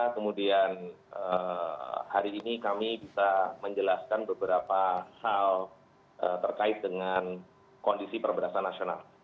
kemudian hari ini kami bisa menjelaskan beberapa hal terkait dengan kondisi perberatan